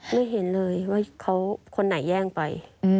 ไม่เห็นเลยว่าเขาคนไหนแย่งไป